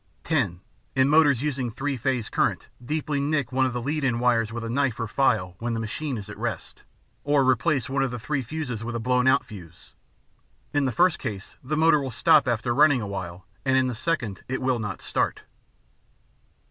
(10) In motors using three phase current, deeply nick one of the lead in wires with a knife or file when the machine is at rest, or replace one of the three fuses with a blown out fuse. In the first case, the motor will stop after running awhile, and in the second, it will not start.